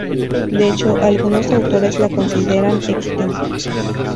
De hecho, algunos autores la consideran extinta.